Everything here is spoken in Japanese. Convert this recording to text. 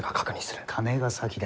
金が先だ。